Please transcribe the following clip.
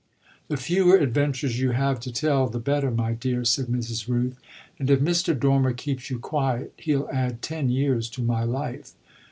"The fewer adventures you have to tell the better, my dear," said Mrs. Rooth; "and if Mr. Dormer keeps you quiet he'll add ten years to my life."